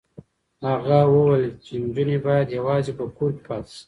هغه وویل چې نجونې باید یوازې په کور کې پاتې شي.